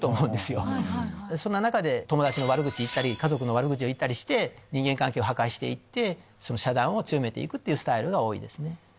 そんな中で友達の悪口言ったり家族の悪口を言ったりして人間関係を破壊して行って遮断を強めて行くっていうスタイルが多いですね。